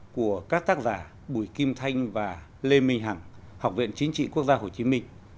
của các tác giả bùi kim thanh và lê minh hằng học viện chính trị quốc gia hồ chí minh